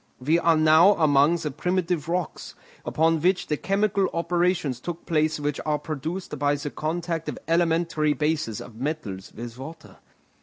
We are now among the primitive rocks, upon which the chemical operations took place which are produced by the contact of elementary bases of metals with water.